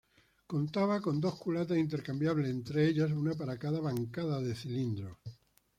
Contaba con dos culatas intercambiables entre ellas, una para cada bancada de cilindros.